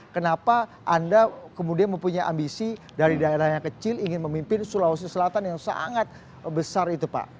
kenapa anda kemudian mempunyai ambisi dari daerah yang kecil ingin memimpin sulawesi selatan yang sangat besar itu pak